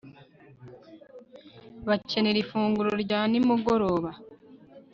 bakenera ifunguro rya nimugoroba